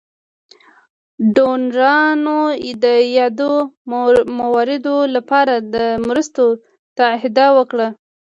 ډونرانو د یادو مواردو لپاره د مرستو تعهد وکړ.